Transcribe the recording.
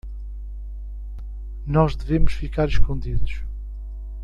Nós devemos ficar escondidos.